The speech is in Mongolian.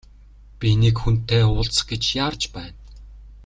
Би нэг хүнтэй уулзах гэж яарч байна.